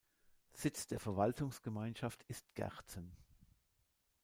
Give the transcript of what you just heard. Sitz der Verwaltungsgemeinschaft ist Gerzen.